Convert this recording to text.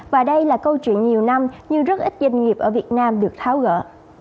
và đây là câu chuyện nhiều năm nhưng rất ít doanh nghiệp ở việt nam được tháo gỡ